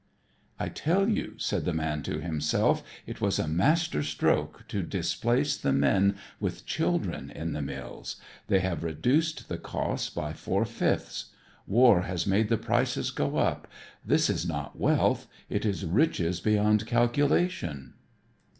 "I tell you," said the man to himself, "it was a master stroke to displace the men with children in the mills. They have reduced the cost by four fifths. War has made the prices go up. This is not wealth, it is riches beyond calculation."